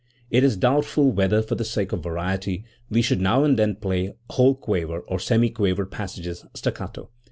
It is doubtful whether, for the sake of variety, we should now and then play whole quaver or semiquaver passages staccato.